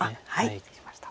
失礼しました。